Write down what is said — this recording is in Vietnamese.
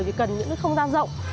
thì cần những không gian rộng